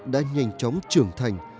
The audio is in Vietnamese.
đã nhanh chóng trưởng thành